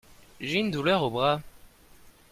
J'ai une douleur au bras.